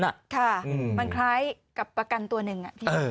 ค่ะมันคล้ายกับประกันตัวหนึ่ง